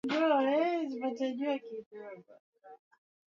mashambulizi ya usiku wa manane yaliyofanywa kwa kutumia mapanga na mashoka